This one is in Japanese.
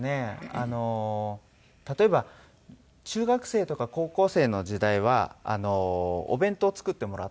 あの例えば中学生とか高校生の時代はお弁当作ってもらってたんですね